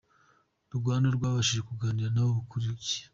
Rwanda twabashije kuganira nabo kuri iki.